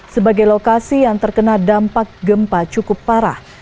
sebagai lokasi yang terkena dampak gempa cukup parah